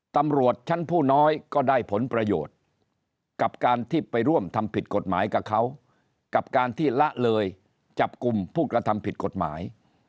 ตำรวจชั้นผู้น้อยก็ได้ผลประโยชน์กับการที่ไปร่วมทำผิดกฎหมายกับเขากับการที่ละเลยจับกลุ่มผู้กระทำผิดกฎหมาย